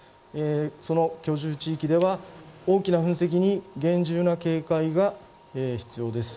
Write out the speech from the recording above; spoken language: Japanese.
居住地域では大きな噴石に厳重な警戒が必要です。